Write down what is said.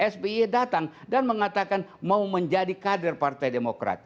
sby datang dan mengatakan mau menjadi kader partai demokrat